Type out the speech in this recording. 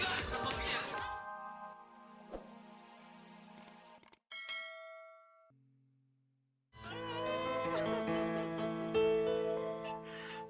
tadi lu gak pernah sampai ke sini